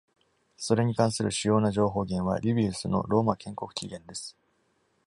それに関する主要な情報源はリウィウスの「ローマ建国紀元」です。